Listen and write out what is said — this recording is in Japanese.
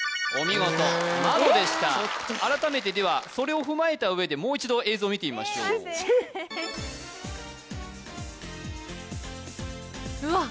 改めてではそれを踏まえた上でもう一度映像を見てみましょううわっ・